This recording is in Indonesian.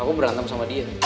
aku berantem sama dia